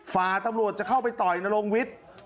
ฝ่าตำรวจจะเข้าไปต่อยนรงวิทย์